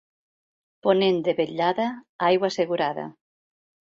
Ponent de vetllada, aigua assegurada.